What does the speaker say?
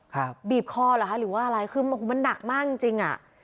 ครับบีบคอหรือว่าอะไรคือคุณมันหนักมากจริงอะ